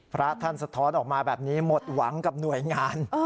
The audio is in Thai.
พระท่านสะท้อนออกมาแบบนี้หมดหวังกับหน่วยงาน